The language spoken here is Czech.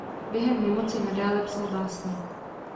Během nemoci nadále psal básně.